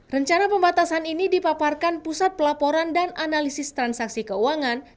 rencana pembatasan ini dipaparkan pusat pelaporan dan analisis transaksi keuangan